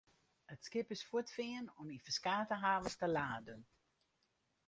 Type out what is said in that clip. It skip is fuortfearn om yn ferskate havens te laden.